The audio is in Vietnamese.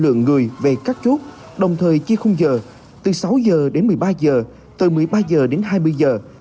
lượng người về các chốt đồng thời chia khung giờ từ sáu giờ đến một mươi ba giờ từ một mươi ba giờ đến hai mươi giờ